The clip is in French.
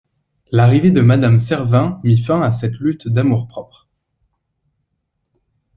L’arrivée de madame Servin mit fin à cette lutte d’amour-propre.